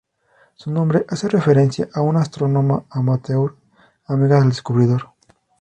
Su nombre hace referencia a una astrónoma amateur amiga del descubridor.